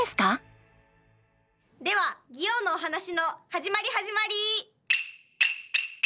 では王のお話の始まり始まり！